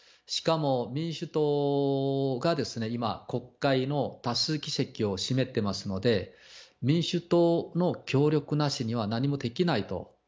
しかも、民主党が今、国会の多数議席を占めてますので、民主党の協力なしには何もできないと。